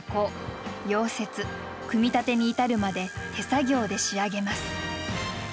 溶接組み立てに至るまで手作業で仕上げます。